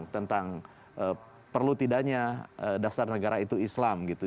tentang perlu tidaknya dasar negara itu islam gitu